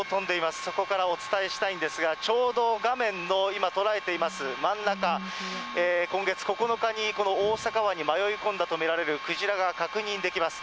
そこからお伝えしたいんですが、ちょうど画面の今、捉えています真ん中、今月９日にこの大阪湾に迷い込んだと見られるクジラが確認できます。